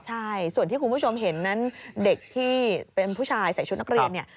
ใช่ส่วนที่คุณผู้ชมเห็นนั้นเด็กที่เป็นผู้ชายใส่ชุดนักเรียนเนี่ย